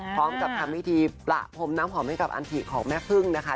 พร้อมกับทำพิธีประพรมน้ำหอมให้กับอันถิของแม่พึ่งนะคะ